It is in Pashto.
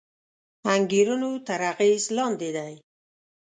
انګېرنو تر اغېز لاندې دی